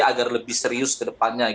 agar lebih serius ke depannya